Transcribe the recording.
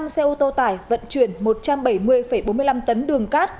năm xe ô tô tải vận chuyển một trăm bảy mươi bốn mươi năm tấn đường cát